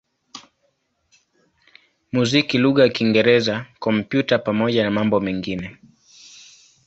muziki lugha ya Kiingereza, Kompyuta pamoja na mambo mengine.